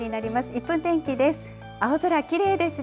１分天気です。